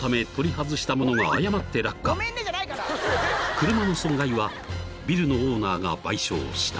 ［車の損害はビルのオーナーが賠償した］